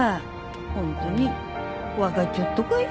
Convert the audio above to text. ホントに分かっちょっとかよ？